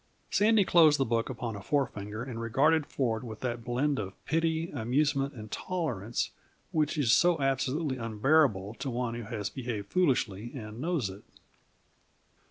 Sandy closed the book upon a forefinger and regarded Ford with that blend of pity, amusement, and tolerance which is so absolutely unbearable to one who has behaved foolishly and knows it.